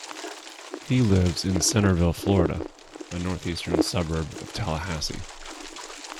He lives in Centerville, Florida, a northeastern suburb of Tallahassee.